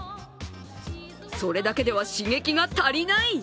それだけでは刺激が足りない！